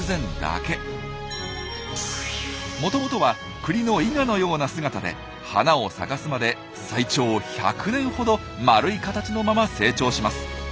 もともとはクリのイガのような姿で花を咲かすまで最長１００年ほど丸い形のまま成長します。